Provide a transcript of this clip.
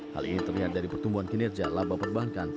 hal ini terlihat dari pertumbuhan kinerja laba perbankan